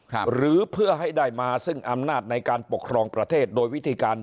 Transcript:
หรือเพื่อให้ได้มาซึ่งอำนาจในการปกครองประเทศโดยวิธีการ